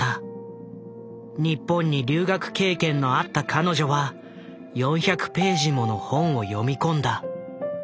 日本に留学経験のあった彼女は４００ページもの本を読み込んだ。